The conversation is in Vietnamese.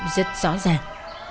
rất rõ ràng